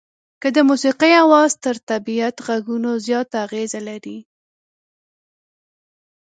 که د موسيقۍ اواز تر طبيعت غږونو زیاته اغېزه لري.